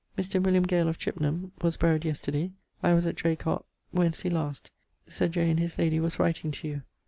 Mr. William Gale of Chipnam was buried yesterday. I was at Dracot, Wensday last; Sir J. and his lady was writing to you.